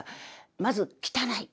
まず汚い。